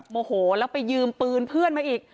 โมโหแล้วไปยืมปืนเพื่อนมาอีก